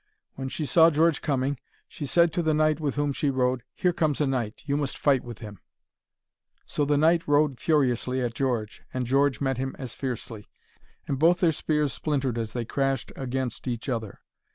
When she saw George coming, she said to the knight with whom she rode, 'Here comes a knight! you must fight with him.' So the knight rode furiously at George, and George met him as fiercely, and both their spears splintered as they crashed against each other.